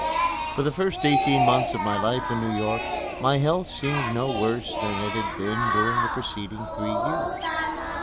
For the first eighteen months of my life in New York my health seemed no worse than it had been during the preceding three years.